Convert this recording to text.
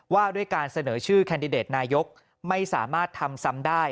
ว่าด้วยการเสนอชื่อแคนดิเดตนายกไม่สามารถทำซ้ำได้